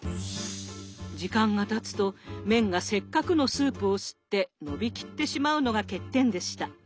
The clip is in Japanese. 時間がたつと麺がせっかくのスープを吸って伸びきってしまうのが欠点でした。